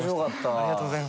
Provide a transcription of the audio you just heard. ありがとうございます。